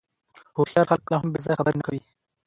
هوښیار خلک کله هم بې ځایه خبرې نه کوي.